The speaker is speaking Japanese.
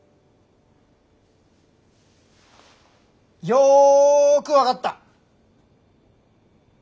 よく分かった。